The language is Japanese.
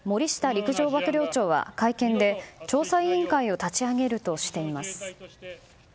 陸上幕僚長は会見で調査委員会を立ち上げるとしています。